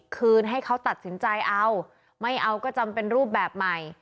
คืนให้เขาตัดสินใจเอาไม่เอาก็จำเป็นรูปแบบใหม่